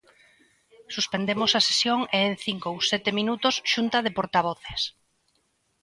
Suspendemos a sesión e en cinco ou sete minutos, Xunta de Portavoces.